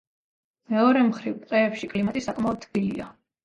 მეორე მხრივ, ტყეებში კლიმატი საკმაოდ თბილია.